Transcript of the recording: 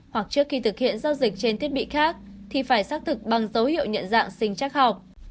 hoặc trước khi thực hiện giao dịch trên thiết bị khác thì phải xác thực bằng dấu hiệu nhận dạng sinh chắc học